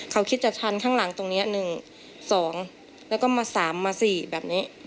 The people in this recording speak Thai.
เขาคิดจะชันข้างหลังตรงนี้๑๒แล้วก็มา๓มา๔แบบนี้